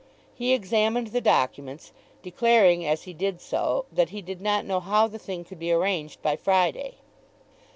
He examined the documents, declaring as he did so that he did not know how the thing could be arranged by Friday.